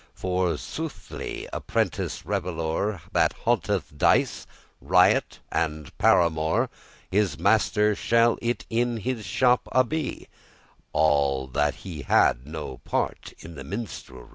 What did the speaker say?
For, soothely, a prentice revellour, That haunteth dice, riot, and paramour, His master shall it in his shop abie*, *suffer for All* have he no part of the minstrelsy.